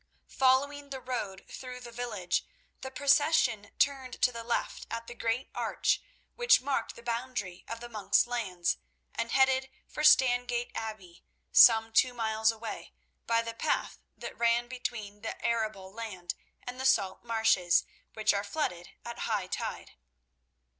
Following the road through the village, the procession turned to the left at the great arch which marked the boundary of the monk's lands, and headed for Stangate Abbey, some two miles away, by the path that ran between the arable land and the Salt marshes, which are flooded at high tide.